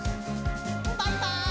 バイバイ！